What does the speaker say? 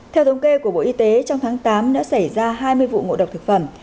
theo thống kê của bộ y tế trong tháng tám đã xảy ra hai mươi vụ ngộ độc thực phẩm